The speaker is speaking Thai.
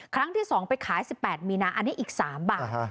ครั้งที่๒ไปขาย๑๘มีนาอันนี้อีก๓บาท